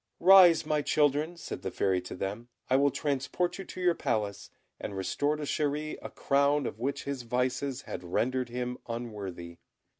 "Rise, my children," said the Fairy to them, "I will transport you to your Palace, and restore to Chéri a crown of which his vices had rendered him unworthy."